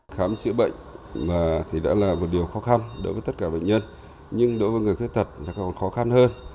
khám chữa bệnh thì đã là một điều khó khăn đối với tất cả bệnh nhân nhưng đối với người khuyết tật còn khó khăn hơn